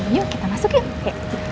yuk kita masuk yuk